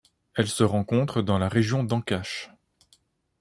Elle se rencontre dans la région d'Ancash.